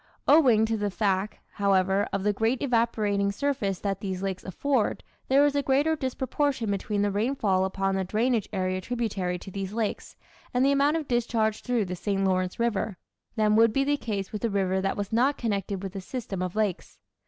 Owing to the fact, however, of the great evaporating surface that these lakes afford, there is a greater disproportion between the rainfall upon the drainage area tributary to these lakes, and the amount of discharge through the St. Lawrence River, than would be the case with a river that was not connected with a system of lakes.